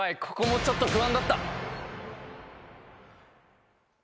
ここもちょっと不安だった。